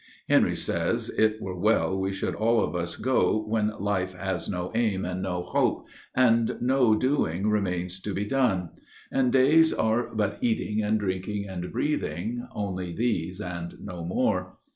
Henry says, it were well we should all of us go When life has no aim and no hope; and no doing Remains to be done; and days are but eating And drinking and breathing, only these and no more.